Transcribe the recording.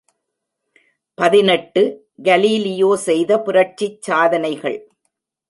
பதினெட்டு கலீலியோ செய்த புரட்சிச் சாதனைகள்!